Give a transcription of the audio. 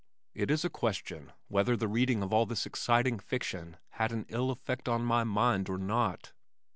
It is a question whether the reading of all this exciting fiction had an ill effect on my mind or not.